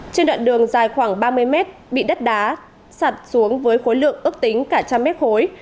trên đoạn đường dài khoảng ba mươi mét bị đất đá sạt xuống với khối lượng ước tính cả trăm mét khối